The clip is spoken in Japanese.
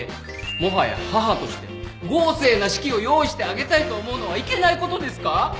もはや母として豪勢な式を用意してあげたいと思うのはいけないことですか！？